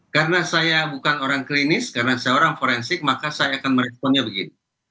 karena saya bukan orang klinis karena saya orang forensik maka saya akan meresponnya begini